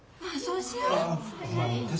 うんそうしよう。